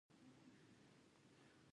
غلامانو به په ډیرو کړاوونو خپله ګیډه مړوله.